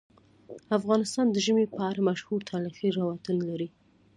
افغانستان د ژمی په اړه مشهور تاریخی روایتونه لري.